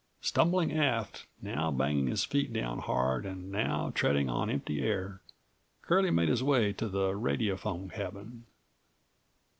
Stumbling aft, now banging his feet down hard and now treading on empty air, Curlie made his way to the radiophone cabin.